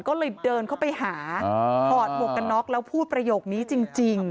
ก็เลยเดินเข้าไปหาถอดหมวกกันน็อกแล้วพูดประโยคนี้จริง